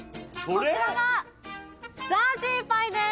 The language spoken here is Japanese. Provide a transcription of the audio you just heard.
こちらがザージーパイです！